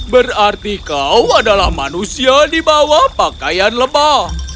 berarti kau adalah manusia di bawah pakaian lebah